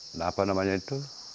tidak apa namanya itu